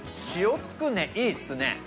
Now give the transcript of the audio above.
塩つくねいいっすね！